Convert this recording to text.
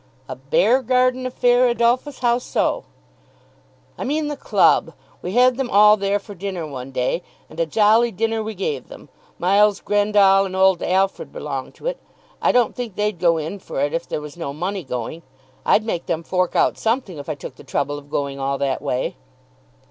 "A bear garden affair, Adolphus. How so?" "I mean the club. We had them all there for dinner one day, and a jolly dinner we gave them. Miles Grendall and old Alfred belong to it. I don't think they'd go in for it, if there was no money going. I'd make them fork out something if I took the trouble of going all that way."